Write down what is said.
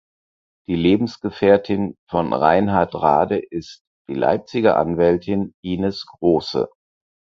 Die Lebensgefährtin von Reinhard Rade ist die Leipziger Anwältin Ines Große.